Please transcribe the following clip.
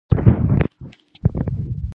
په هغه وخت کې سیاسي حدود معلوم نه و.